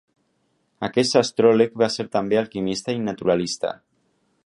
Aquest astròleg va ser també alquimista i naturalista.